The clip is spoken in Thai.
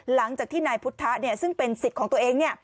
หลังจากที่นายพุทธะซึ่งเป็นสิทธิ์ของตัวเอง